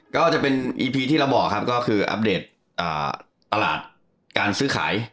ก็จะเป็นอีพีที่เราบอกครับก็คืออัปเดตตลาดการซื้อขาย